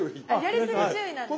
やりすぎ注意なんですね。